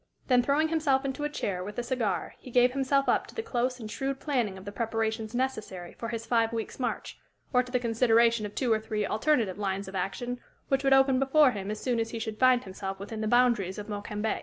Then throwing himself into a chair, with a cigar, he gave himself up to the close and shrewd planning of the preparations necessary for his five weeks' march, or to the consideration of two or three alternative lines of action which would open before him as soon as he should find himself within the boundaries of Mokembe.